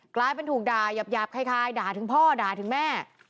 กลายเป็นถูกด่ายาบคล้ายด่าถึงพ่อด่าถึงแม่